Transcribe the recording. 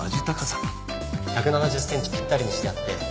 １７０センチぴったりにしてあって。